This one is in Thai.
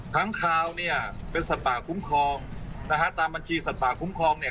ค้างคาวเนี่ยเป็นสัตว์ป่าคุ้มครองนะฮะตามบัญชีสัตว์ป่าคุ้มครองเนี่ย